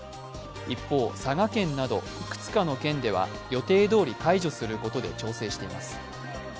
一方、佐賀県などいくつかの県では予定どおり解除することで調整しています。